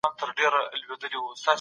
هغه په خندا کولو بوخت دی.